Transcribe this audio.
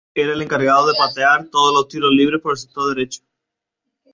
Era el encargado de patear todos los tiros libres por el sector derecho.